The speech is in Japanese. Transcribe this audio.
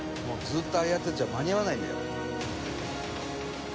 「ずっとああやってちゃ間に合わないんだよ」